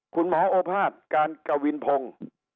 คุณหมอโอภาสการกวินพงษ์